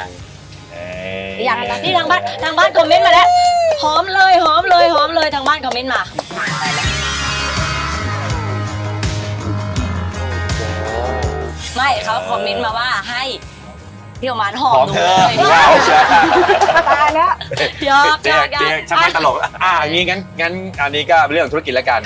งั้นอย่างนี้ก็เรื่องธุรกิจละกัน